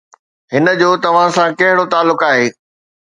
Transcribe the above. هن جو توهان سان ڪهڙو تعلق آهي